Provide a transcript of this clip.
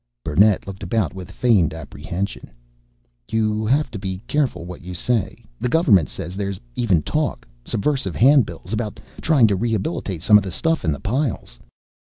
Burnett looked about with feigned apprehension. "You have to be careful what you say. The government says there's even talk subversive handbills about trying to rehabilitate some of the stuff in the piles."